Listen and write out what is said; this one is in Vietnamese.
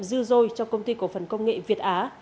dư dôi cho công ty cổ phần công nghệ việt á